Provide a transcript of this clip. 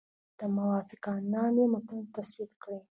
د موافقتنامې متن تسوید کړي.